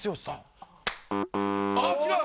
あっ違う？